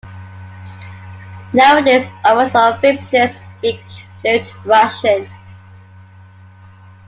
Nowadays almost all Vepsians speak fluent Russian.